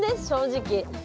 正直。